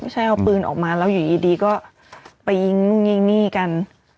ใช่เอาปืนออกมาแล้วยิดดีไปยิงนี่กัน